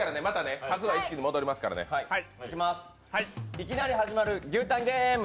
いきなり始まる牛タンゲーム。